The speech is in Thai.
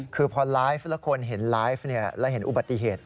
คือพอไลฟ์แล้วคนเห็นไลฟ์แล้วเห็นอุบัติเหตุ